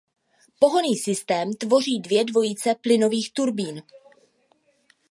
Pohonný systém tvoří dvě dvojice plynových turbín.